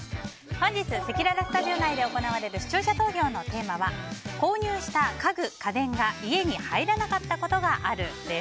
本日せきららスタジオ内で行われる、視聴者投票のテーマは購入した家具・家電が家に入らなかったことがあるです。